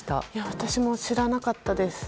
私も知らなかったです。